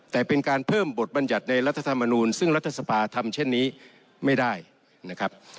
แต่เป็นการเพิ่มบทบัญญัติในรัฐธรรมนูลซึ่งรัฐสภาทำเช่นนี้ไม่ได้นะครับ